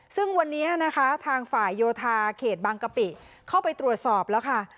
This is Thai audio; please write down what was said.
ซึ่งวันนี้นะคะทางฝ่ายโยธาเขตบางกะปิเข้าไปตรวจสอบแล้วค่ะ